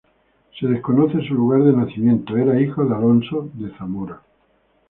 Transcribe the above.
Se desconoce su lugar de nacimiento, era hijo de Alonso de Zamora.